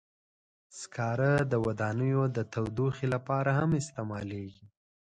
سکاره د ودانیو د تودوخې لپاره هم استعمالېږي.